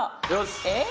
えっ！